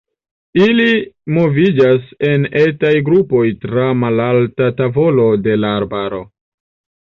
Ili moviĝas en etaj grupoj tra malalta tavolo de la arbaro.